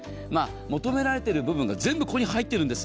求められている部分が全部ここに入っているんです。